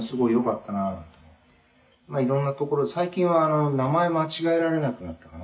「いろんなところで最近は名前間違えられなくなったかな」